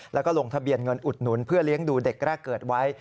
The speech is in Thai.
แล้วก็ลงทะเบียนเงินอุดหนุนเพื่อเลี้ยงดูเด็กแรกเกิดไว้